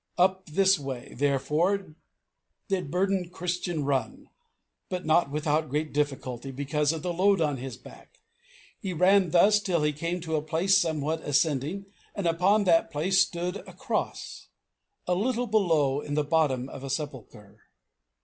Up this way, therefore, did burdened Christian run, but not without great difficulty, because of the load on his back. He ran thus till he came to a place somewhat ascending, and upon that place stood a cross, and a little below in the bottom a sepulchre.